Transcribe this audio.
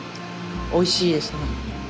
おいしいですね。